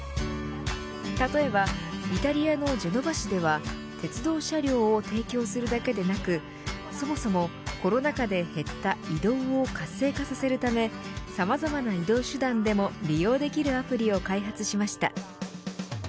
例えばイタリアのジェノバ市では鉄道車両を提供するだけでなくそもそも、コロナ禍で減った移動を活性化させるためさまざまな移動手段でも利用できるアプリを開発しました。